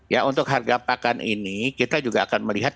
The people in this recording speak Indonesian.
ya untuk harga pakan ini kita juga akan melihat